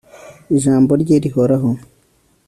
ijambo rye rihoraho